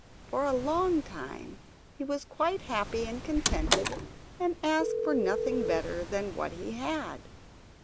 For a long time he was quite happy and contented, and asked for nothing better than what he had.